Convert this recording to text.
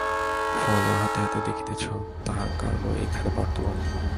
ফলও হাতে হাতে দেখিতেছ, তাহার কারণও এইখানেই বর্তমান।